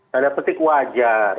tanda petik wajar